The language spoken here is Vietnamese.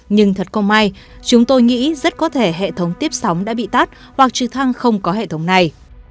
nhưng thật không may chúng tôi nghĩ rất có thể hệ thống tiếp sóng đã bị tát hoặc trực thăng không có hệ thống này